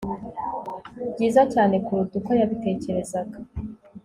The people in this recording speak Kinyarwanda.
byiza cyane kuruta uko yabitekerezaga